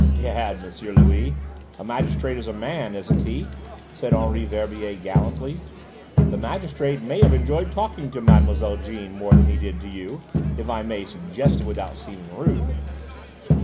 "Gad, M. Louis, a magistrate is a man, isn't he?" said Henri Verbier gallantly. "The magistrate may have enjoyed talking to Mlle. Jeanne more than he did to you, if I may suggest it without seeming rude."